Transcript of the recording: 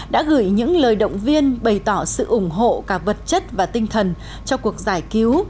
đã gửi những lời động viên bày tỏ sự ủng hộ cả vật chất và tinh thần cho cuộc giải cứu